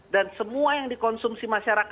dan semua yang dikonsumsi masyarakat kita